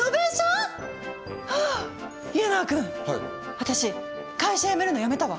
私会社辞めるのやめたわ！